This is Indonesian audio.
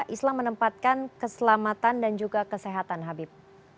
islam menempatkan keselamatan dan juga kesehatan habib